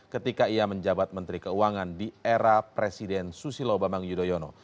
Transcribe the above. ketika ia menjabat menteri keuangan di era presiden susilo bambang yudhoyono